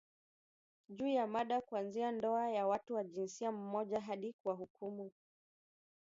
juu ya mada kuanzia ndoa za watu wa jinsia mmoja hadi kuwahukumu